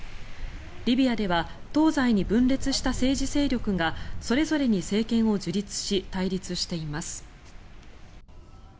リビアでは東西に分裂した政治勢力がそれぞれに政権を樹立し対立しています。